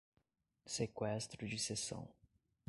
Sequestro de sessão